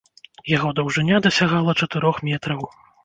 Яго даўжыня дасягала чатырох метраў.